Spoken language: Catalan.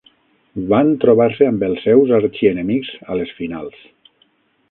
Van trobar-se amb els seus arxienemics a les finals.